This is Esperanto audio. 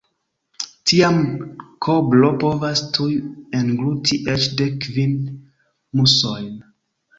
Tiam kobro povas tuj engluti eĉ dek kvin musojn.